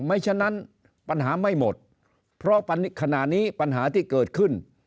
ฉะนั้นปัญหาไม่หมดเพราะขณะนี้ปัญหาที่เกิดขึ้น